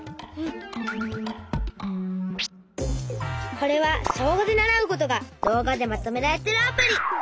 これは小５で習うことが動画でまとめられてるアプリ。